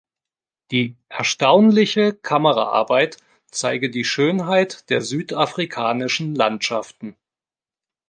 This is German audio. Die "erstaunliche" Kameraarbeit zeige die Schönheit der südafrikanischen Landschaften.